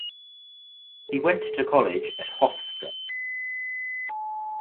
He went to college at Hofstra.